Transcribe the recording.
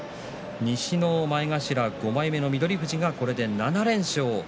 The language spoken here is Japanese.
西の前頭５枚目の翠富士がこれで７連勝。